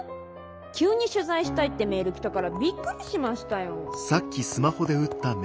急に「取材したい」ってメール来たからびっくりしましたよ。